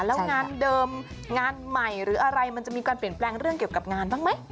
แล้วงานเดิมงานใหม่หรืออะไรมันจะมีการเปลี่ยนแปลงเรื่องเกี่ยวกับงานบ้างไหม